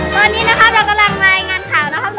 ตอนนี้นะครับเรากำลังรายงานข่าวนะครับ